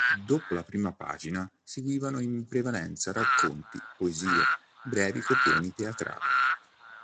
Dopo la prima pagina seguivano in prevalenza racconti, poesie, brevi copioni teatrali.